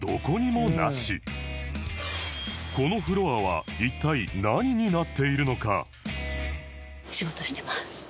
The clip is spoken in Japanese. このフロアは一体何になっているのか？